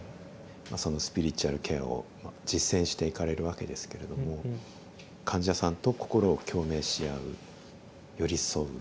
そのスピリチュアルケアを実践していかれるわけですけれども患者さんと心を共鳴し合う寄り添う。